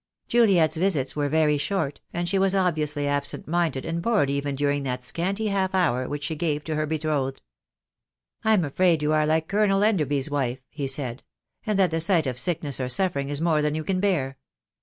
Juliet's visits were very short, and she was obviously absent minded and bored even during that scanty half hour which she gave to her betrothed. 'T'm afraid you are like Colonel Enderby's wife," he said, "and that the sight of sickness or suffering is more than you can bear."